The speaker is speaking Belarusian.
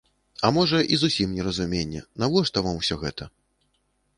А можа, і зусім неразуменне, навошта вам усё гэта?